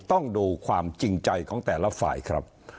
ต้องดูความจริงใจของแต่ละฝ่ายครับ